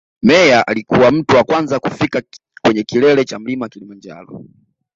Meyer alikuwa mtu wa kwanza kufika kwenye kilele cha mlima kilimanjaro